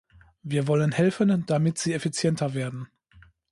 Wir wollen helfen, damit sie effizienter werden.